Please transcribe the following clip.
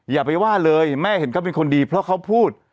อย่าไปว่าเลยแม่เห็นเขาเป็นคนดีเพราะเขาพูด